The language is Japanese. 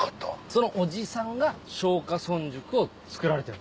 その叔父さんが松下村塾をつくられてる。